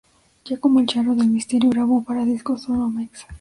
Ya como El Charro del Misterio, grabó para discos Sono Mex.